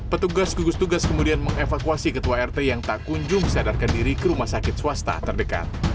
petugas gugus tugas kemudian mengevakuasi ketua rt yang tak kunjung sadarkan diri ke rumah sakit swasta terdekat